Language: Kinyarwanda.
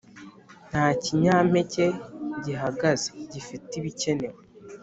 Nta kinyampeke gihagaze gifite ibikenewe.